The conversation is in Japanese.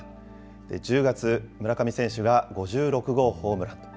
１０月、村上選手が５６号ホームラン。